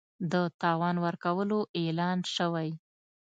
د تاوان ورکولو اعلان شوی